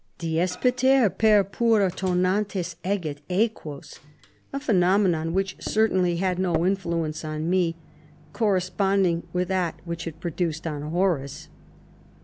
" Diespiter, per pura tonantes egit equos:" a phenomenon which certainly had no influence on me, corresponding with that which it produced on Horace.